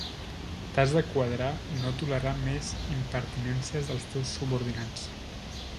T'has de quadrar i no tolerar més impertinències dels teus subordinats.